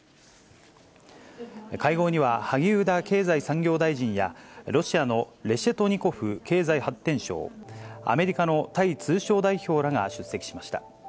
会合には、萩生田経済産業大臣や、ロシアのレシェトニコフ経済発展相、アメリカのタイ通商代表らが出席しました。